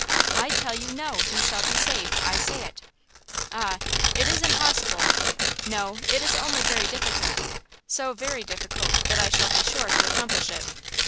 "I tell you, no! You shall be saved! I say it!" "Ah, it is impossible." "No, it is only very difficult–so very difficult that I shall be sure to accomplish it!"